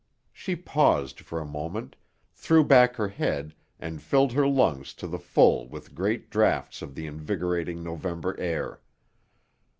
She paused for a moment, threw back her head and filled her lungs to the full with great drafts of the invigorating November air.